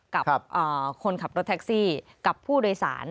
กับคนขับรถแท็กซี่กับผู้โดยสาร